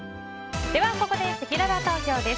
ここでせきらら投票です。